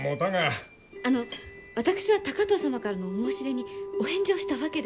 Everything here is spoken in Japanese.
あの私は高藤様からのお申し出にお返事をしたわけでは。